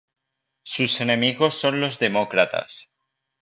Sus enemigos son los demócratas.